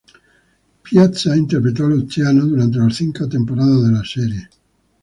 Piazza interpretó a Luciano durante las cinco temporadas de la serie.